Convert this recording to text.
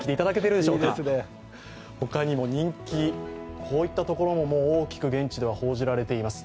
他にも人気、こういったところも現地で大きく報じられています。